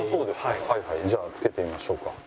じゃあ着けてみましょうか。